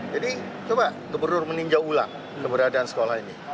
jadi coba gubernur meninggalkan ulang keberadaan sekolah ini